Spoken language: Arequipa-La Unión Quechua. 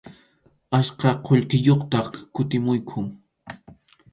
Achka qullqiyuqtaq kutimuqku.